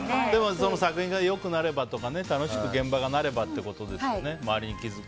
作品が良くなればとか楽しく現場がなればということですよね。